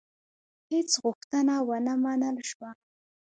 هیڅ غوښتنه ونه منل شوه.